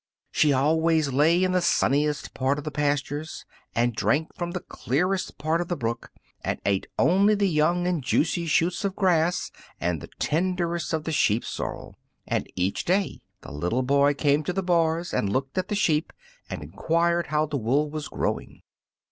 She always lay in the sunniest part of the pastures, and drank from the clearest part of the brook, and ate only the young and juicy shoots of grass and the tenderest of the sheep sorrel. And each day the little boy came to the bars and looked at the sheep and enquired how the wool was growing.